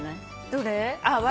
どれ？